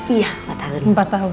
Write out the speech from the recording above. iya empat tahun